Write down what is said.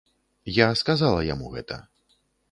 Я сказала яму гэта.